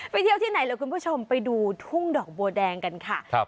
เที่ยวที่ไหนล่ะคุณผู้ชมไปดูทุ่งดอกบัวแดงกันค่ะ